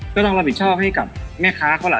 ก็ต้องรับผิดชอบให้กับแม่ค้าเขาล่ะ